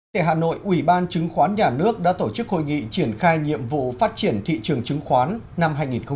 tại hà nội ủy ban chứng khoán nhà nước đã tổ chức hội nghị triển khai nhiệm vụ phát triển thị trường chứng khoán năm hai nghìn một mươi chín